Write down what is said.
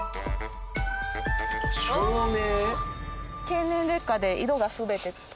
照明？